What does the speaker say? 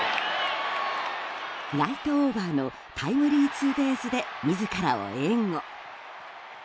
ライトオーバーのタイムリーツーベースで自らを援護。